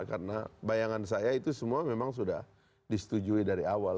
karena bayangan saya itu semua memang sudah disetujui dari awal